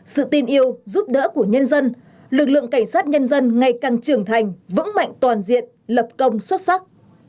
sự tin yêu giúp đỡ của nhân dân lực lượng cảnh sát nhân dân ngày càng trưởng thành vững mạnh toàn diện lập công xuất sắc